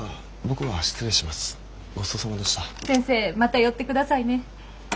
先生また寄ってくださいね。